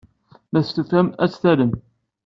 Ma testufam, ad tt-tallem.